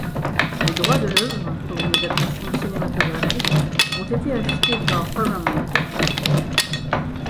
Les droits de l’œuvre, pour une adaptation cinématographique, ont été achetés par Paramount Pictures.